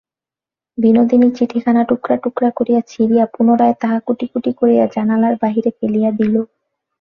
বিনোদিনী চিঠিখানা টুকরা-টুকরা করিয়া ছিঁড়িয়া, পুনরায় তাহা কুটিকুটি করিয়া জানালার বাহিরে ফেলিয়া দিল।